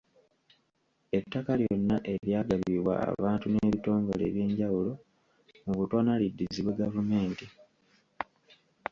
Ettaka lyonna eryagabibwa abantu n’ebitongole eby'enjawulo mu butanwa liddizibwe gavumenti.